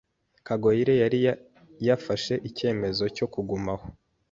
Kagoyire yari yafashe icyemezo cyo kuguma aho.